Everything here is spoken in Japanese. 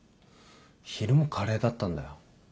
昼もカレーだったんだよ。